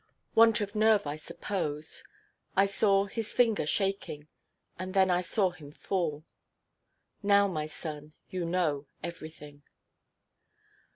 Want of nerve, I suppose. I saw his finger shaking, and then I saw him fall. Now, my son, you know everything."